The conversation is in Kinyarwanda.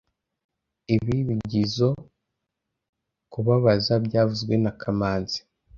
Ibi bigizoe kubabaza byavuzwe na kamanzi